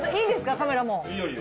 カメラも？